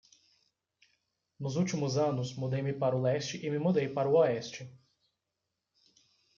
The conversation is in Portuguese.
Nos últimos anos, mudei-me para o leste e me mudei para o oeste.